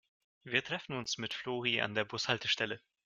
Wir treffen uns mit Flori an der Bushaltestelle.